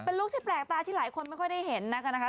เป็นลูกที่แปลกตาที่หลายคนไม่ค่อยได้เห็นนะคะ